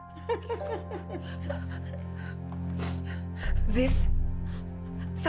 saskia mana sekarang ibu mau bicara